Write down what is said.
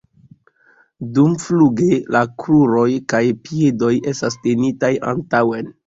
Dumfluge la kruroj kaj piedoj estas tenitaj antaŭen.